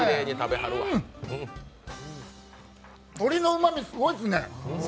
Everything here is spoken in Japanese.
鶏のうまみ、すごいですね！